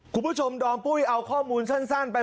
คุณผู้ชมดอมปุ้ยเอาข้อมูลสั้นสั้นไปบรรยาย